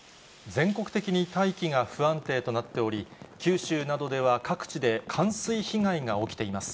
全国的に大気が不安定となっており、九州などでは各地で冠水被害が起きています。